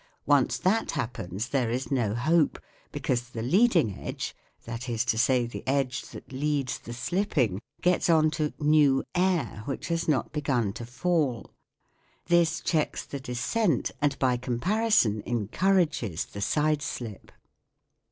Once that happens there is no hope, because the leading edge, that is to say, the edge that leads the slipping, gets on to " new air " which has not begun to fall. This checks the descent and by comparison en courages the sideslip.